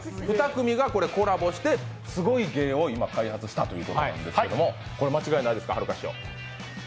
２組がコラボしてすごい芸を開発したということですがこれ間違いないですかはるか師匠？